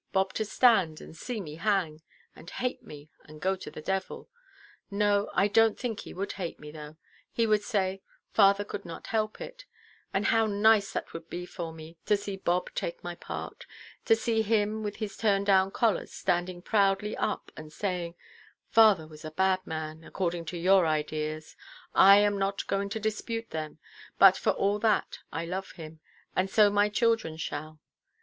Bob to stand, and see me hang—and hate me, and go to the devil. No, I donʼt think he would hate me, though; he would say, 'Father could not help it.' And how nice that would be for me, to see Bob take my part. To see him with his turn–down collars standing proudly up, and saying, 'Father was a bad man—according to your ideas—I am not going to dispute them—but for all that I love him, and so my children shall.